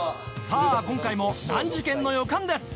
さぁ今回も難事件の予感です！